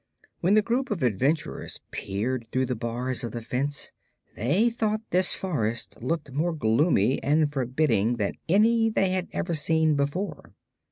When the group of adventurers peered through the bars of the fence they thought this forest looked more gloomy and forbidding than any they had ever seen before.